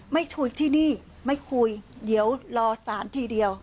ไม่คุยที่นี่ไม่คุยเดี๋ยวรอสารทีเดียว